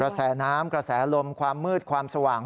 แสน้ำกระแสลมความมืดความสว่าง